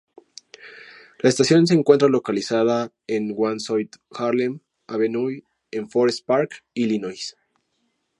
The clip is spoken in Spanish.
La estación se encuentra localizada en One South Harlem Avenue en Forest Park, Illinois.